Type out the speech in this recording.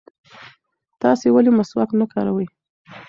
تاسې ولې مسواک نه کاروئ؟